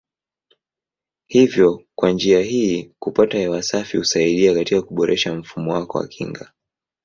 Hivyo kwa njia hii kupata hewa safi husaidia katika kuboresha mfumo wako wa kinga.